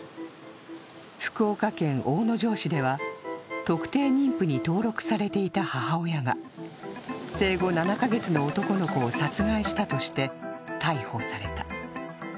福岡県大野城市では、特定妊婦に登録されていた母親が生後７か月の男の子を殺害したとして逮捕された。